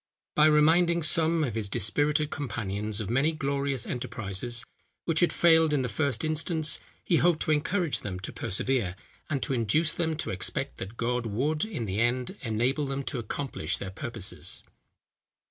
By reminding some of his dispirited companions of many glorious enterprises, which had failed in the first instance, he hoped to encourage them to persevere, and to induce them to expect that God would, in the end, enable them to accomplish their purposes.